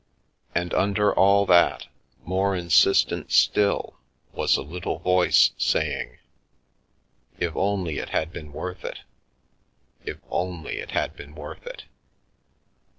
And under all that, more insistent still, was a little voice saying "If only it had been worth it! If only it had been worth it!